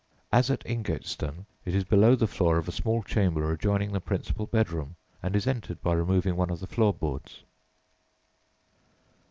As at Ingatestone, it is below the floor of a small chamber adjoining the principal bedroom, and is entered by removing one of the floor boards.